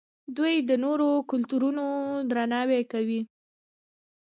دوی د نورو کلتورونو درناوی کوي.